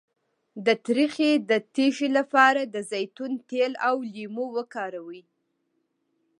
د تریخي د تیږې لپاره د زیتون تېل او لیمو وکاروئ